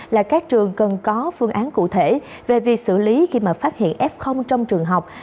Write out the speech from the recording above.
là các trường cần có phương án cụ thể về việc xử lý khi mà phát hiện f trong trường học